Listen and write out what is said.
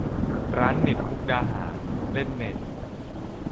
ร้านเน็ตมุกดาหาร : เล่นเน็ต